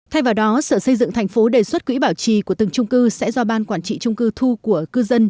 thay vào đó sở xây dựng thành phố đề xuất quỹ bảo trì của từng trung cư sẽ do ban quản trị trung cư thu của cư dân